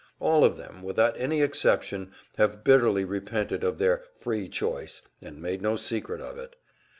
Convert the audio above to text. All of them, without any exception, have bitterly repented of their "free choice" and made no secret of it.